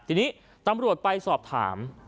ทีนี้ตำรวจไปสอบถาม